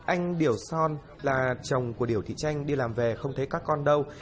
anh điều son là chồng của điều thị tranh đi làm về không thấy các con đâu